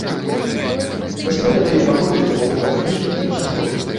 Даследаванне праводзяць з дапамогай аптычных і іншых сродкаў.